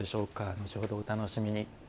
後ほどお楽しみに。